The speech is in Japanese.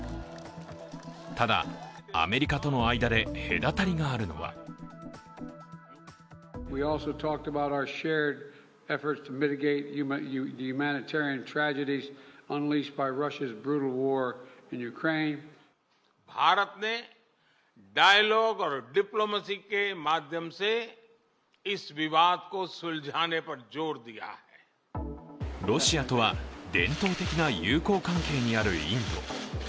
ただ、アメリカとの間で隔たりがあるのはロシアとは伝統的な友好関係にあるインド。